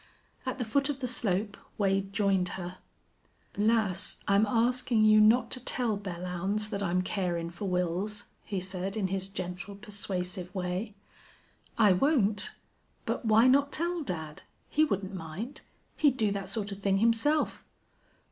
At the foot of the slope Wade joined her. "Lass, I'm askin' you not to tell Belllounds that I'm carin' for Wils," he said, in his gentle, persuasive way. "I won't. But why not tell dad? He wouldn't mind. He'd do that sort of thing himself."